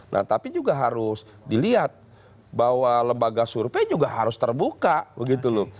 nah tapi juga harus dilihat bahwa lembaga survei juga harus terbuka begitu loh